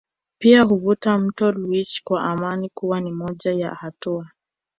Pia huvuka mto Lwiche kwa imani kuwa ni moja ya hatua